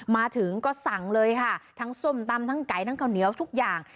มาถึงก็สั่งเลยค่ะทั้งส้มตำทั้งไก่ทั้งข้าวเหนียวทุกอย่าง